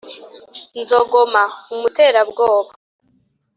nzogoma: umuterabwoba